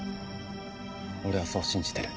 俺はそう信じてる。